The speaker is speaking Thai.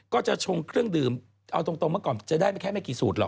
ชงเครื่องดื่มเอาตรงเมื่อก่อนจะได้ไม่แค่ไม่กี่สูตรหรอ